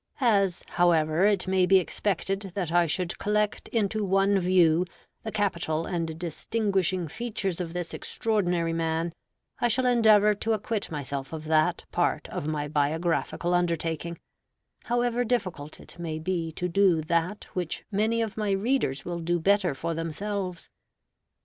As, however, it may be expected that I should collect into one view the capital and distinguishing features of this extraordinary man, I shall endeavor to acquit myself of that part of my biographical undertaking, however difficult it may be to do that which many of my readers will do better for themselves.